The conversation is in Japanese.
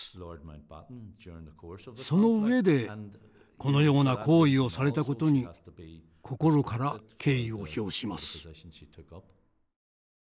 その上でこのような行為をされたことに心から敬意を表します。